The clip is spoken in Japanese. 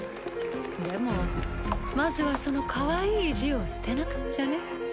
でもまずはそのかわいい意地を捨てなくっちゃね。